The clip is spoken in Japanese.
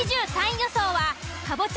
予想はかぼちゃ